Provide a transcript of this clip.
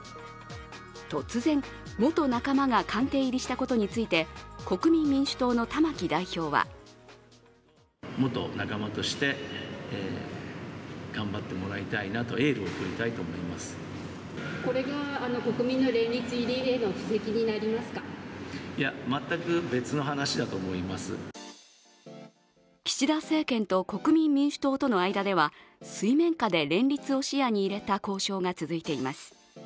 突然、元仲間が官邸入りしたことについて国民民主党の玉木代表は岸田政権と国民民主党との間では水面下で連立を視野に入れた交渉が続いています。